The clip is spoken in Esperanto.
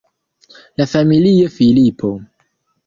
La familio Filipo.